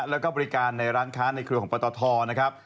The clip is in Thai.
แล้วก็บริการในร้านค้าในเครือของปตทนะครับ